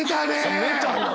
攻めたな！